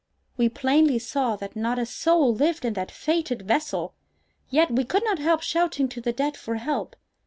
We plainly saw that not a soul lived in that fated vessel! Yet we could not help shouting to the dead for help!